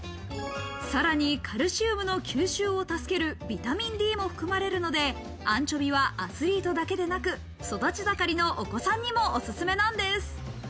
さらにカルシウムの吸収を助けるビタミンＤも含まれるので、アンチョビはアスリートだけでなく、育ち盛りのお子さんにもおすすめなんです。